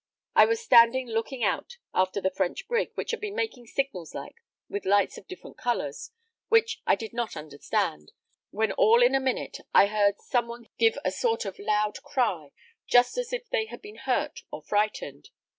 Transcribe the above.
I was standing looking out after the French brig, which had been making signals like, with lights of different colours, which I did not understand, when all in a minute I heard some one give a sort of loud cry, just as if they had been hurt or frightened.